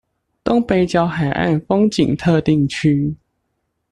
東北角海岸風景特定區